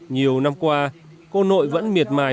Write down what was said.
nhiều năm qua cô nội vẫn miệt mài